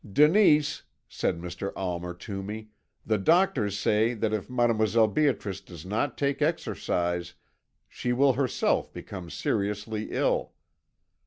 "'Denise,' said Mr. Almer to me, 'the doctors say that if Mdlle. Beatrice does not take exercise she will herself become seriously ill.